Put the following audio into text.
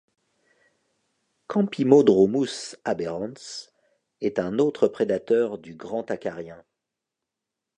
Kampimodromus aberrans est un autre prédateur du grand acarien.